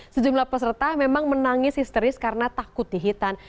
sejumlah peserta memang menangis histeris karena takut dihitan